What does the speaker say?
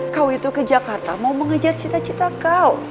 kau itu ke jakarta mau mengejar cita cita kau